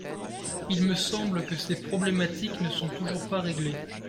Il me semble que ces problématiques ne sont toujours pas réglées.